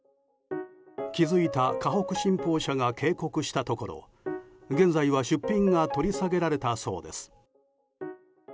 気づいた河北新報社が警告したところ現在は出品が取り下げられたそうです。